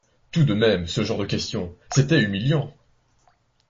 tout de même, ce genre de questions, c’était humiliant.